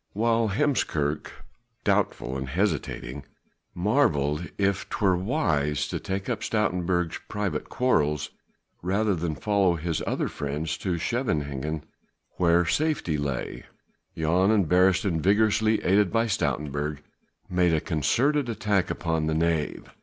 While Heemskerk, doubtful and hesitating, marvelled if 'twere wise to take up Stoutenburg's private quarrels rather than follow his other friends to Scheveningen where safety lay, Jan and Beresteyn vigorously aided by Stoutenburg made a concerted attack upon the knave.